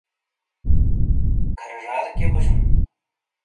کَھرے ژادے کئیے بوجَوں؟